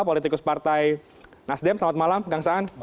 politikus partai nasdem selamat malam kang saan